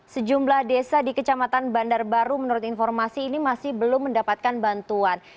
sejumlah desa di kecamatan bandar baru menurut informasi ini masih belum mendapatkan bantuan